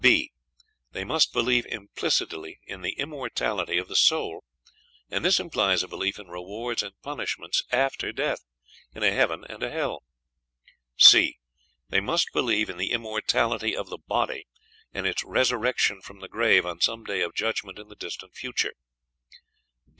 b. They must believe implicitly in the immortality of the soul; and this implies a belief in rewards and punishments after death; in a heaven and a hell. c. They must believe in the immortality of the body, and its resurrection from the grave on some day of judgment in the distant future.